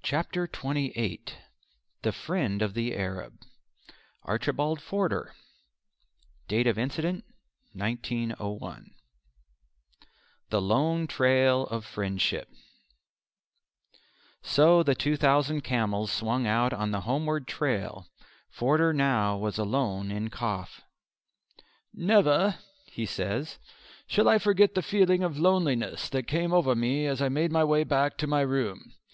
] CHAPTER XXVIII THE FRIEND OF THE ARAB Archibald Forder (Date of Incident, 1901) The Lone Trail of Friendship So the two thousand camels swung out on the homeward trail. Forder now was alone in Kaf. "Never," he says, "shall I forget the feeling of loneliness that came over me as I made my way back to my room.